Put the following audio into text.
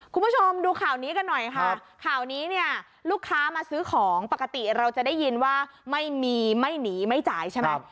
คุณผู้ชมดูข่าวนี้กันหน่อยค่ะข่าวนี้เนี่ยลูกค้ามาซื้อของปกติเราจะได้ยินว่าไม่มีไม่หนีไม่จ่ายใช่ไหม